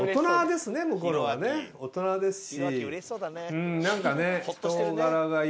大人ですし。